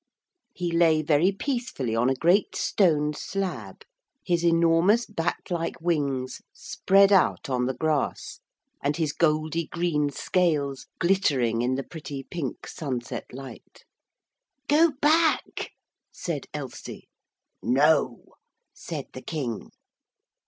He lay very peacefully on a great stone slab, his enormous bat like wings spread out on the grass and his goldy green scales glittering in the pretty pink sunset light. 'Go back!' said Elsie. 'No,' said the King.